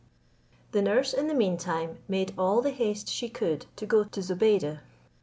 The nurse, in the mean time, made all the haste she could to Zobeide.